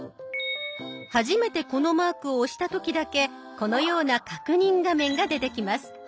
初めてこのマークを押した時だけこのような確認画面が出てきます。